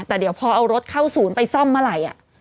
แต่เดี๋ยวพอเอารถเข้าศูนย์ไปซ่อมเมื่อไหร่